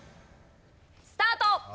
スタート！